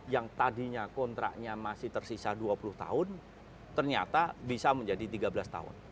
yang tadinya kontraknya masih tersisa dua puluh tahun ternyata bisa menjadi tiga belas tahun